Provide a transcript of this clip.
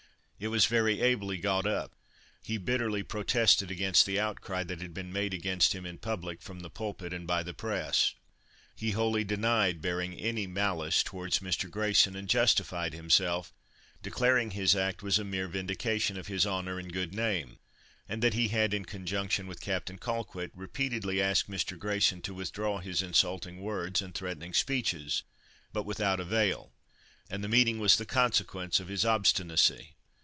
It was very ably got up. He bitterly protested against the outcry that had been made against him in public, from the pulpit and by the press. He wholly denied bearing any malice towards Mr. Grayson, and justified himself, declaring his act was a mere vindication of his honour and good name, and that he had, in conjunction with Captain Colquitt, repeatedly asked Mr. Grayson to withdraw his insulting words and threatening speeches, but without avail, and the meeting was the consequence of his obstinacy.